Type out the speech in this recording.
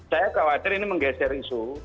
saya khawatir ini menggeser isu